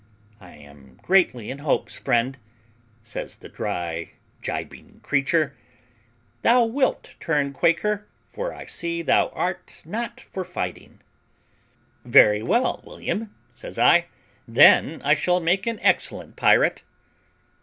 I am greatly in hopes, friend," says the dry, gibing creature, "thou wilt turn Quaker, for I see thou art not for fighting." "Very well, William," says I; "then I shall make an excellent pirate."